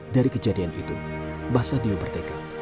dari kejadian itu bahasa sadiyu bertekad